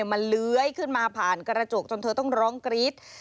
มันเลื้อยขึ้นมาผ่านกระจกจนเธอต้องร้องกรี๊ด